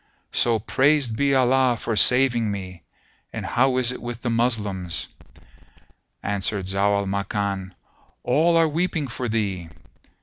So praised be Allah for saving me! And how is it with the Moslems?" Answered Zau al Makan, "All are weeping for thee."